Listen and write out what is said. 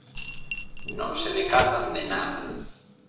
Non se decatan de nada.